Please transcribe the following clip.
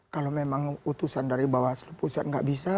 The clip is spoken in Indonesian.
kalau memang utusan dari bawaslu pusat nggak bisa